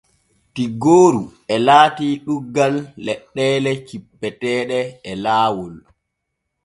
Tiggooru e laati ɗuuggal leɗɗeele cippeteeɗe e laawol.